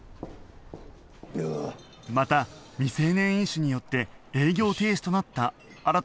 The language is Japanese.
また未成年飲酒によって営業停止となった新たちは